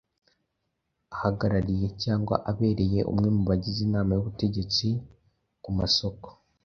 ahagarariye cyangwa abereye umwe mu bagize inama y’ubutegetsi ku masoko